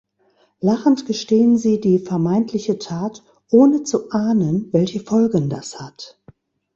Lachend gestehen sie die vermeintliche Tat, ohne zu ahnen, welche Folgen das hat.